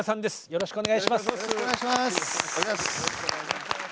よろしくお願いします。